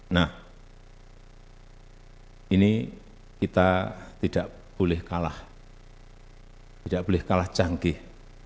nah ini kita tidak boleh kalah tidak boleh kalah canggih